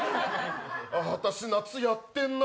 私、夏、やってんな！